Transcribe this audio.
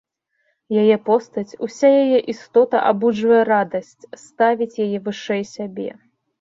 Яе постаць, уся яе істота абуджвае радасць, ставіць яе вышэй сябе.